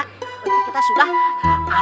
tapi kita sudah aman